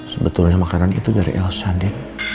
sebetulnya makanan itu dari elsa sandeng